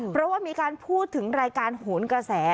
เพราะว่ามีการพูดถึงรายการโหนกระแส